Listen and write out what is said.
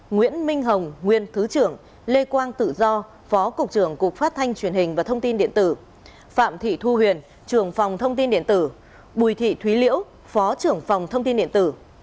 nguyễn minh hồng nguyên thứ trưởng lê quang tự do phó cục trưởng cục phát thanh truyền hình và thông tin điện tử phạm thị thu huyền trường phòng thông tin điện tử bùi thị thúy liễu phó trưởng phòng thông tin điện tử